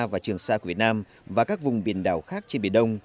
và trường sa của việt nam và các vùng biển đảo khác trên biển đông